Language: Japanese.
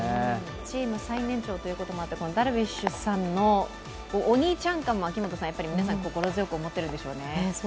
チーム最年長ということもあって、ダルビッシュさんのお兄ちゃん感も皆さん、心強く思っているんでしょうね。